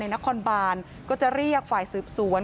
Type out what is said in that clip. นครบานก็จะเรียกฝ่ายสืบสวน